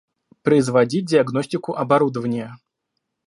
Производить диагностику оборудования